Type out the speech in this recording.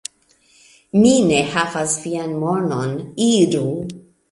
Mi ne havas vian monon, iru!